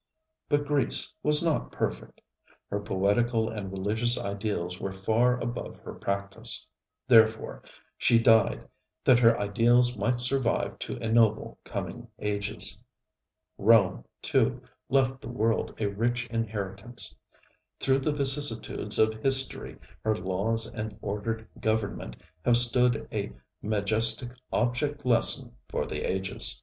But Greece was not perfect. Her poetical and religious ideals were far above her practice; therefore she died, that her ideals might survive to ennoble coming ages. Rome, too, left the world a rich inheritance. Through the vicissitudes of history her laws and ordered government have stood a majestic object lesson for the ages.